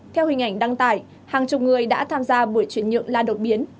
theo hình ảnh đăng tải hàng chục người đã tham gia buổi chuyển nhượng la đột biến